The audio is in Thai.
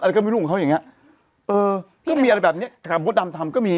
ก็ไม่รู้ของเขาอย่างเงี้ยเออก็มีอะไรแบบเนี้ยกับมดดำทำก็มี